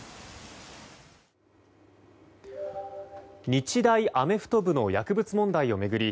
日大アメフト部の薬物問題を巡り